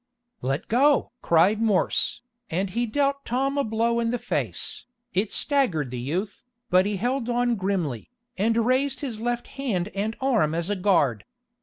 "Let go!" cried Morse, and he dealt Tom a blow in the face. It staggered the youth, but he held on grimly, and raised his left hand and arm as a guard.